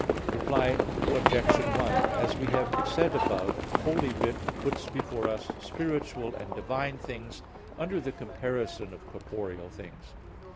Reply Obj. 1: As we have said above (Q. 1, A. 9), Holy Writ puts before us spiritual and divine things under the comparison of corporeal things.